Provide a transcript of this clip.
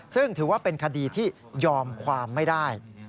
ซึ่งถือว่าเป็นคดีที่ยอมความไม่ได้